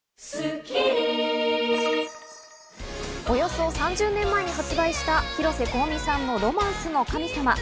およそ３０年前に発売した広瀬香美さんの『ロマンスの神様』。